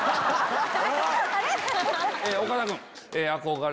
岡田君。